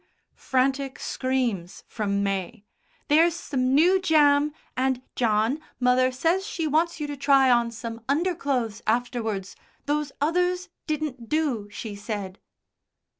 Frantic screams from May. "There's some new jam, and, John, mother says she wants you to try on some underclothes afterwards. Those others didn't do, she said...."